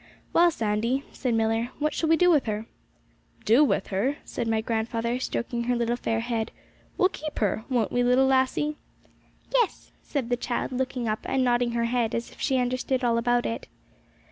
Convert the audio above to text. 'Well, Sandy,' said Millar, 'what shall we do with her?' 'Do with her?' said my grandfather stroking her little fair head. 'We'll keep her! Won't we, little lassie?' 'Yes,' said the child, looking up and nodding her head, as if she understood all about it.